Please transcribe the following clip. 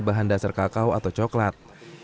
bahan dasar kakao atau coklat